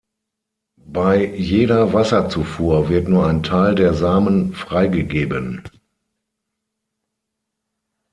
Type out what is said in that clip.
Bei jeder Wasserzufuhr wird nur ein Teil der Samen freigegeben.